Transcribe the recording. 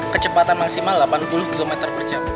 kecepatan maksimal delapan puluh km per jam